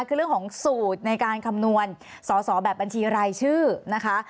คือเรื่องของสูตรในการคำนวณสอสอแบบบัญชีรายชื่อนะคะ